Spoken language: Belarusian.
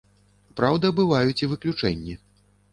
Праўда, бываюць і выключэнні.